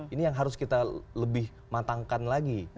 ini yang harus kita lebih matangkan lagi